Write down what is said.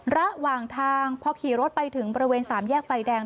ระหว่างทางพอขี่รถไปถึงบริเวณสามแยกไฟแดง